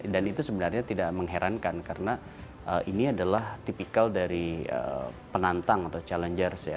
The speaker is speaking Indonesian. dan itu sebenarnya tidak mengherankan karena ini adalah tipikal dari penantang atau challengers